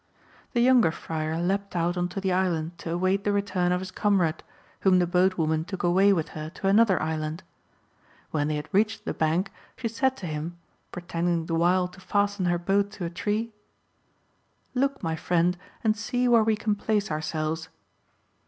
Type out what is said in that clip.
The younger friar leapt out on to the island to await the return of his comrade, whom the boat woman took away with her to another island. When they had reached the bank she said to him, pretending the while to fasten her boat to a tree "Look, my friend, and see where we can place ourselves."